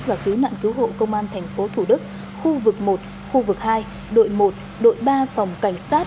và cứu nạn cứu hộ công an thành phố thủ đức khu vực một khu vực hai đội một đội ba phòng cảnh sát